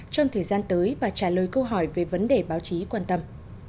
trong thời gian tới và trả lời câu hỏi về vấn đề báo chí quan tâm